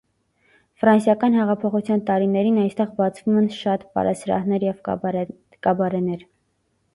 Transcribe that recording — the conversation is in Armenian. Ֆրանսիական հեղափոխության տարիներին այստեղ բացվում են շատ պարասրահներ և կաբարեներ։